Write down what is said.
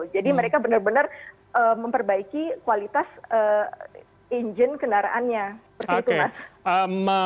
jadi mereka benar benar memperbaiki kualitas engine kendaraannya